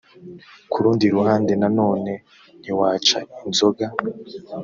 ku rundi ruhande nanone ntiwaca inzoga